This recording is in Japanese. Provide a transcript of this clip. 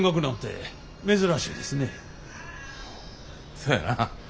そやな。